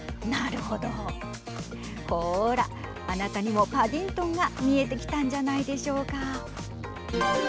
ほら、あなたにもパディントンが見えてきたんじゃないでしょうか。